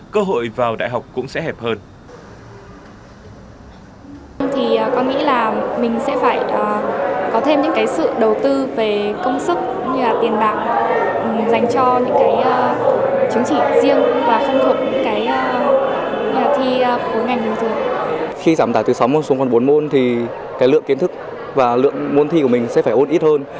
cơ hội vào đại học cũng sẽ hẹp hơn